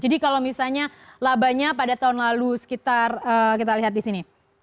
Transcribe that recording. jadi kalau misalnya labanya pada tahun lalu sekitar kita lihat di sini